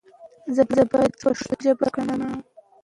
تاسو د پښتو ژبې د ډیجیټل کولو لپاره څه نظر لرئ؟